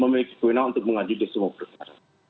memiliki kewenangan untuk mengadili semua perkara